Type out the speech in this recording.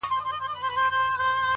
پوهه د فرصتونو شمېر زیاتوي؛